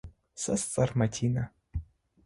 Сэ сцӏэр Мадинэ.